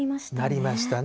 なりましたね。